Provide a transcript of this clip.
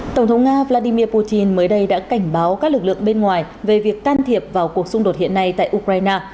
tổng thống nga vladimir putin mới đây đã cảnh báo các lực lượng bên ngoài về việc can thiệp vào cuộc xung đột hiện nay tại ukraine